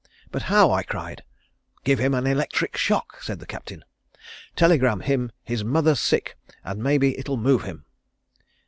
'But how?' I cried. 'Give him an electric shock,' said the Captain. 'Telegraph him his mother's sick and may be it'll move him.'